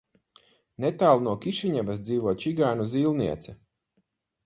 Netālu no Kišiņevas dzīvo čigānu zīlniece.